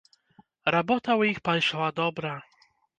Работа ў іх пайшла добра.